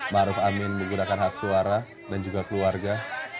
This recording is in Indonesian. maruf amin menggunakan hak suara dan juga keluarga